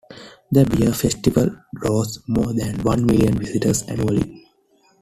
The beer festival draws more than one million visitors annually.